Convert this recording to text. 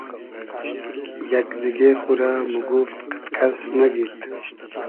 یئگ دیگې خورۂ موگوفت قئد کئس نئگید